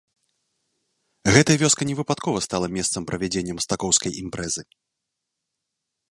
Гэтая вёска невыпадкова стала месцам правядзення мастакоўскай імпрэзы.